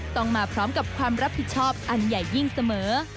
ต้องมาพร้อมกับความรับผิดชอบอันใหญ่ยิ่งเสมอ